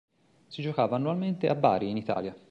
Si giocava annualmente a Bari in Italia.